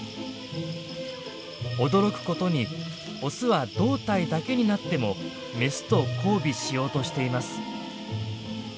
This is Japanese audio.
驚くことにオスは胴体だけになってもメスと交尾しようとしています。